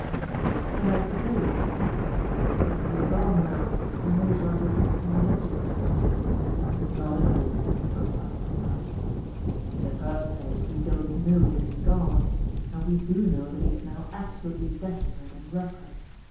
"And I suppose," said I, "as he is gone now, I may as well go back to my lodgings." "Not at all," replied Thorndyke. "In the first place, we don't know that he is gone, and we do know that he is now absolutely desperate and reckless.